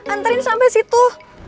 antarin sampai situ